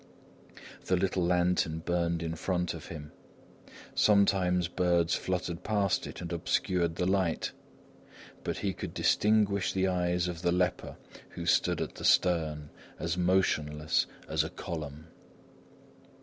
The little lantern burned in front of him. Sometimes birds fluttered past it and obscured the light. But he could distinguish the eyes of the leper who stood at the stern, as motionless as a column.